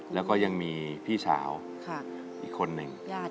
แล้วก็ยังมีพี่สาวอีกคนหนึ่ง